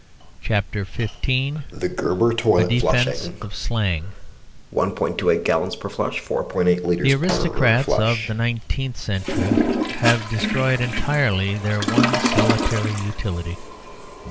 A DEFENCE OF SLANG The aristocrats of the nineteenth century have destroyed entirely their one solitary utility.